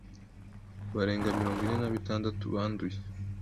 barenga mirongo ine nabitandatu banduye